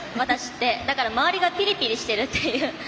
だから、周りがピリピリしてるっていう。